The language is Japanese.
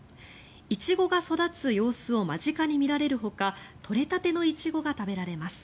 イチゴが育つ様子を間近に見られるほか採れたてのイチゴが食べられます。